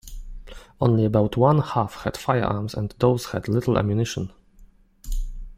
Only about one half had firearms and those had little ammunition.